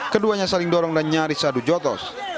keduanya saling dorong dan nyaris adu jotos